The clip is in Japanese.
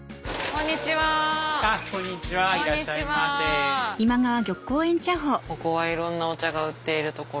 ここはいろんなお茶が売っている所？